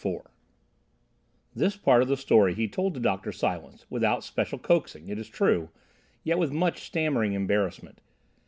IV This part of the story he told to Dr. Silence, without special coaxing, it is true, yet with much stammering embarrassment.